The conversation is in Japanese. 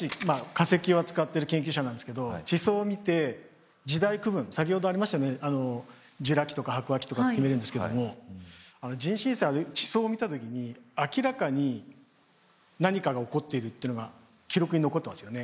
化石を扱ってる研究者なんですけど地層を見て時代区分先ほどありましたよねジュラ紀とか白亜紀とかって言えるんですけども人新世は地層を見た時に明らかに何かが起こってるっていうのが記録に残ってますよね。